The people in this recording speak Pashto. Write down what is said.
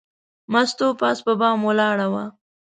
مستو پاس په بام ولاړه وه.